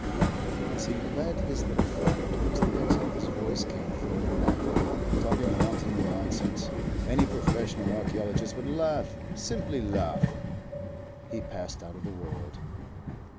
As he led his little flock towards the exit his voice came floating back. "Talking wanton nonsense.... Any professional archaeologist would laugh, simply laugh...." He passed out of the world.